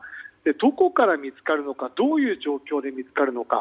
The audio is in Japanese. どこから見つかるのかどういう状況で見つかるのか。